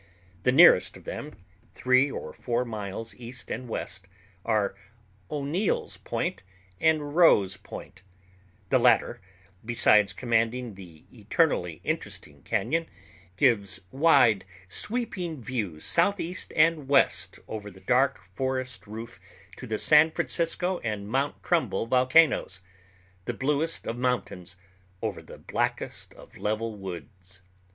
The nearest of them, three or four miles east and west, are O'Neill's Point and Rowe's Point; the latter, besides commanding the eternally interesting cañon, gives wide sweeping views southeast and west over the dark forest roof to the San Francisco and Mount Trumbull volcanoes—the bluest of mountains over the blackest of level woods.